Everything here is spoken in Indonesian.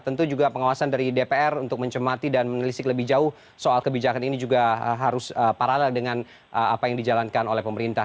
tentu juga pengawasan dari dpr untuk mencemati dan menelisik lebih jauh soal kebijakan ini juga harus paralel dengan apa yang dijalankan oleh pemerintah